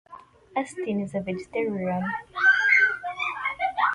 Astin is a vegetarian.